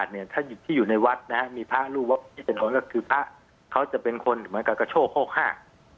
มีภาครูปภาคที่เจนอนก็คือพระเค้าจะเป็นคนเหมือนกับกว่าโชคหกฮ่า